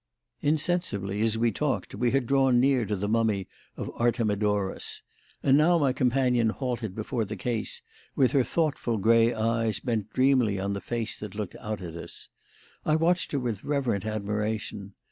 Insensibly, as we talked, we had drawn near to the mummy of Artemidorus, and now my companion halted before the case with her thoughtful grey eyes bent dreamily on the face that looked out at us. I watched her with reverent admiration.